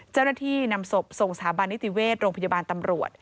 เจ้าหน้าที่นำศพส่งสถาบันนิติเวชโรงพยาบาลตำรวจ